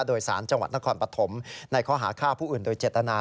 โดยสารจังหวัดนครปฐมในข้อหาฆ่าผู้อื่นโดยเจตนา